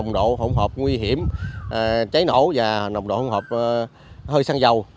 nồng độ không hợp nguy hiểm cháy nổ và nồng độ không hợp hơi xăng dầu